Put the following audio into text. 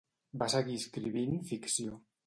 Va seguir escrivint ficció.